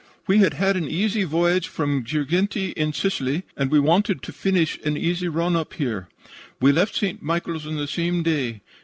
We had had an easy voyage from Girgenti, in Sicily, and we wanted to finish an easy run here. We left St. Michael's on the same day.